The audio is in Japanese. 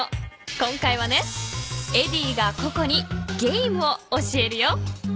今回はねエディがココにゲームを教えるよ。